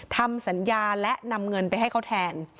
ทำสัญญาและนำเงินไปให้เขาแทน